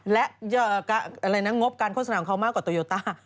และอะไรนะงบการโฆษณาของเขามากกว่าโตโยต้า